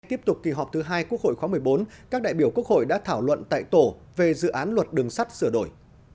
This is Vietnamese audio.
tiếp tục kỳ họp thứ hai quốc hội khóa một mươi bốn các đại biểu quốc hội đã thảo luận tại tổ về dự án luật đường sắt sửa đổi